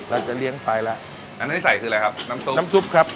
เราจะเลี้ยงไฟละอันนี้ใส่คืออะไรครับน้ำซุปครับ